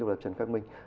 đồng lập trần khắc minh